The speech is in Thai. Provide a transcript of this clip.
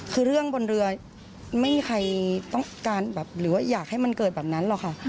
คือเรื่องบนเรือไม่มีใครต้องการแบบหรือว่าอยากให้มันเกิดแบบนั้นหรอกค่ะ